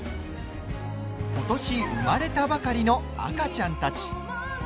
ことし生まれたばかりの赤ちゃんたち。